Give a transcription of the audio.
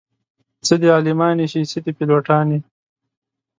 څه دې عالمانې شي څه دې پيلوټانې